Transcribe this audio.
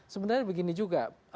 sebenarnya begini juga